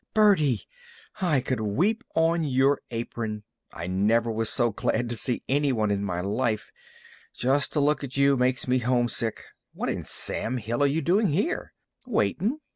"Birdie! I could weep on your apron! I never was so glad to see any one in my life. Just to look at you makes me homesick. What in Sam Hill are you doing here?" "Waitin'.